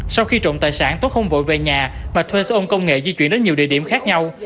sau khi trộm tài sản tuấn không vội về nhà mà thuê xe ôn công nghệ di chuyển đến nhiều địa điểm khác nhau